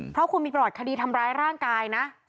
เพราะคุณมีประวัติคดีทำร้ายร่างกายนะ